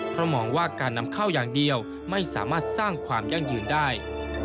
เพราะมองว่าการนำเข้าอย่างเดียวไม่สามารถสร้างความยั่งยืนได้